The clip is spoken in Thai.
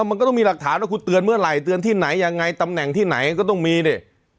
มันก็ต้องมีหลักฐานว่าคุณเตือนเมื่อไหร่เตือนที่ไหนยังไงตำแหน่งที่ไหนก็ต้องมีดิ